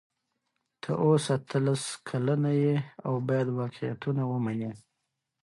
ته اوس اتلس کلنه یې او باید واقعیتونه ومنې.